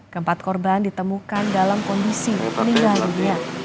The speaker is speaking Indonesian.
keempat korban ditemukan dalam kondisi meninggal dunia